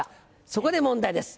そこで問題です